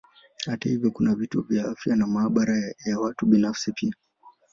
Hata hivyo kuna vituo vya afya na maabara ya watu binafsi pia.